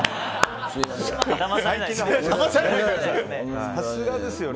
さすがですよね。